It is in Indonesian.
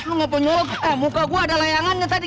lu nggak mau nyolok eh muka gua ada layangannya tadi